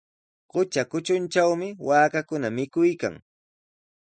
Qutra kutruntrawmi waakakuna mikuykan.